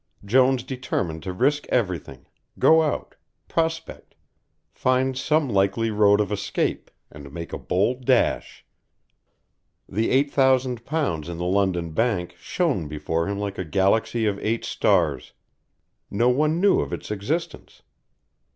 Jones determined to risk everything, go out, prospect, find some likely road of escape, and make a bold dash. The eight thousand pounds in the London Bank shone before him like a galaxy of eight stars; no one knew of its existence.